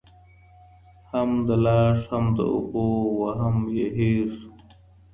هم د لاښ هم د اوبو وهم یې هېر سو